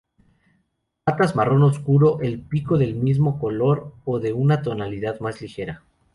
Patas marrón oscuro, el pico del mismo color o de una tonalidad más ligera.